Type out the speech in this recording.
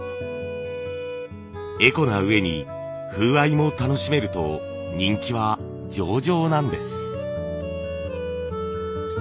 エコなうえに風合いも楽しめると人気は上々なんです。